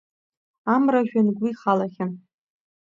Амра жәҩан гәы ихалахьан.